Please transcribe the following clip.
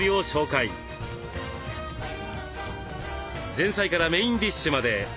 前菜からメインディッシュまで。